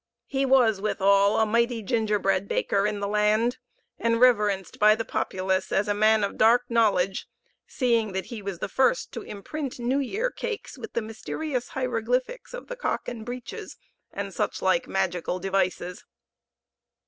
He was, withal, a mighty gingerbread baker in the land, and reverenced by the populace as a man of dark knowledge, seeing that he was the first to imprint New year cakes with the mysterious hieroglyphics of the Cock and Breeches, and such like magical devices.